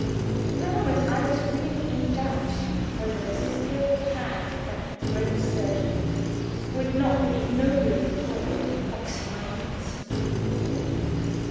For a moment, I was really in doubt whether the skilled hand of the great surgeon would not be ignobly employed in boxing my ears.